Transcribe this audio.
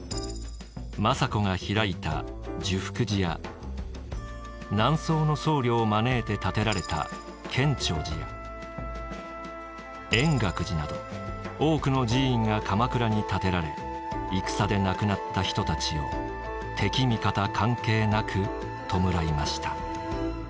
政子が開いた寿福寺や南宋の僧侶を招いて建てられた建長寺や円覚寺など多くの寺院が鎌倉に建てられ戦で亡くなった人たちを敵味方関係なく弔いました。